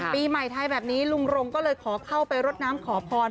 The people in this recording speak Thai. ปีใหม่ไทยแบบนี้ลุงรงก็เลยขอเข้าไปรดน้ำขอพร